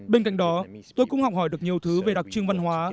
bên cạnh đó tôi cũng học hỏi được nhiều thứ về đặc trưng văn hóa